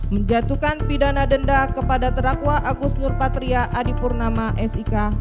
tiga menjatuhkan pidana denda kepada terakwa agus nurpatria adipurnama s i k